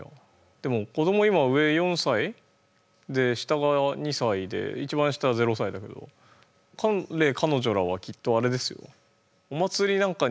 でも子ども今上４歳で下が２歳で一番下は０歳だけど彼彼女らはきっとあれですよ。